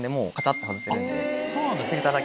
そうなんだ。